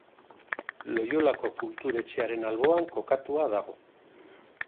Loiolako Kultur Etxearen alboan kokatua dago.